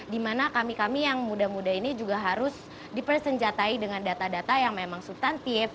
dimana kami kami yang muda muda ini juga harus dipersenjatai dengan data data yang memang substantif